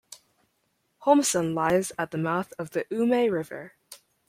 Holmsund lies at the mouth of the Ume River.